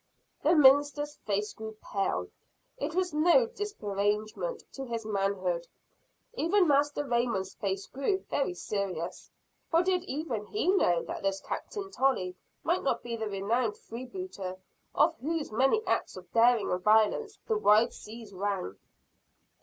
The minister's face grew pale. It was no disparagement to his manhood. Even Master Raymond's face grew very serious for did even he know that this Captain Tolley might not be the renowned freebooter, of whose many acts of daring and violence the wide seas rang?